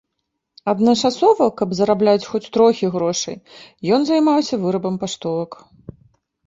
Адначасова, каб зарабляць хоць трохі грошай, ён займаўся вырабам паштовак.